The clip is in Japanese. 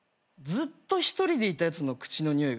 ずっと一人でいたやつの口のにおい？